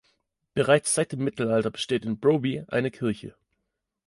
Bereits seit dem Mittelalter besteht in Broby eine Kirche.